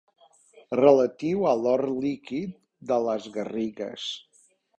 Relatius a l'or líquid de les Garrigues.